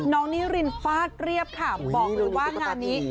นิรินฟาดเรียบค่ะบอกเลยว่างานนี้